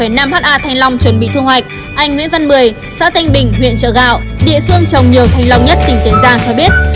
trong khi mà thanh long chuẩn bị thu hoạch anh nguyễn văn mười xã thanh bình huyện trợ gạo địa phương trồng nhiều thanh long nhất tỉnh tiền giang cho biết